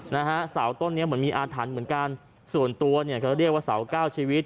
นะฮะเสาต้นเนี้ยเหมือนมีอาถรรพ์เหมือนกันส่วนตัวเนี่ยก็เรียกว่าเสาเก้าชีวิต